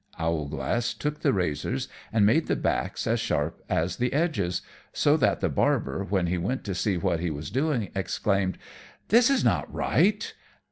Owlglass took the razors and made the backs as sharp as the edges, so that the Barber, when he went to see what he was doing, exclaimed, "This is not right!"